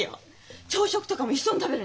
朝食とかも一緒に食べるんですよ。